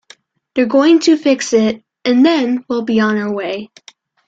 They're going to fix it, and then we'll be on our way.